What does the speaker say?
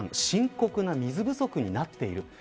深刻な水不足になっている。